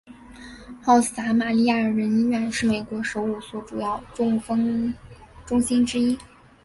好撒玛利亚人医院是美国首五所主要中风中心之一。